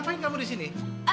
ngapain kamu disini